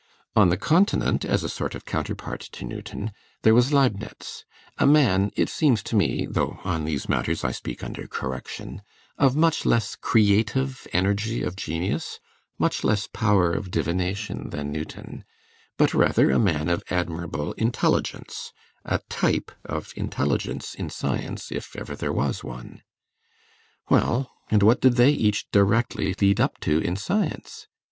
On the continent, as a sort of counterpart to Newton, there was Leibnitz; a man, it seems to me (though on these matters I speak under correction), of much less creative energy of genius, much less power of divination than Newton, but rather a man of admirable intelligence, a type of intelligence in science if ever there was one. Well, and what did they each directly lead up to in science?